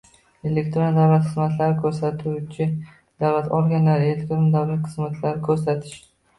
Elektron davlat xizmatlari ko‘rsatuvchi davlat organlari elektron davlat xizmatlari ko‘rsatish